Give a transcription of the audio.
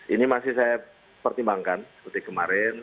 ini masih saya pertimbangkan seperti kemarin